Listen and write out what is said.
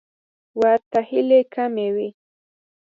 ورته هیلې کمې وې.